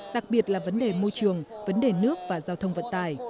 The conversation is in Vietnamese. đặc biệt là vấn đề môi trường vấn đề nước và giao thông vận tài